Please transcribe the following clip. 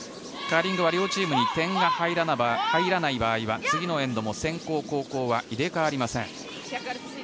カーリングは両チームに点が入らない場合は次のエンドも先攻、後攻は入れ替わりません。